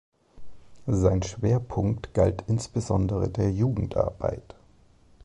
Sein Schwerpunkt galt insbesondere der Jugendarbeit.